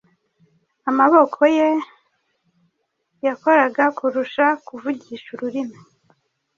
Amaboko ye yakoraga kurusha kuvugisha ururimi.